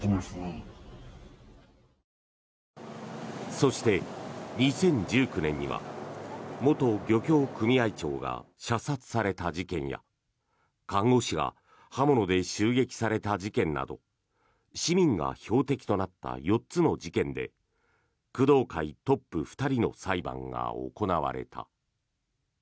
そして、２０１９年には元漁協組合長が射殺された事件や看護師が刃物で襲撃された事件など市民が標的となった４つの事件で工藤会トップ２人の裁判が行われた。